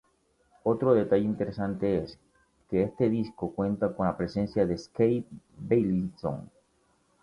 Otro detalle interesante es que este disco cuenta con la presencia de Skay Beilinson.